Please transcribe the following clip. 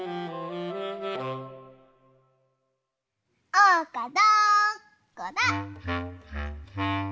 ・おうかどこだ？